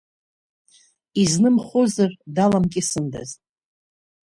Изнымхозар, даламкьысындаз.